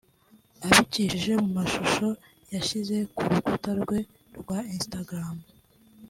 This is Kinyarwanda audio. Abicishije mu amashuho yashyize ku rukuta rwe rwa Instagram